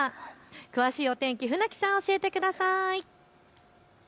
詳しいお天気、船木さん教えてください。